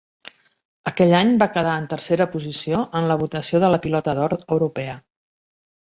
Aquell any va quedar en tercera posició en la votació de la Pilota d'Or europea.